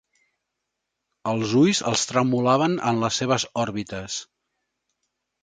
Els ulls els tremolaven en les seves òrbites.